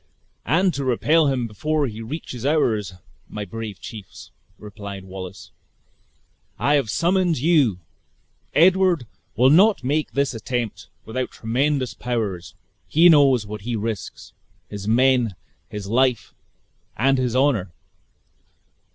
"And to repel him before he reaches ours, my brave chiefs," replied Wallace, "I have summoned you! Edward will not make this attempt without tremendous powers. He knows what he risks; his men, his life, and his honor.